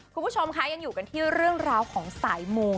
คุณผู้ชมคะยังอยู่กันที่เรื่องราวของสายมู